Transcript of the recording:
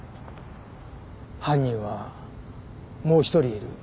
犯人はもう一人いる。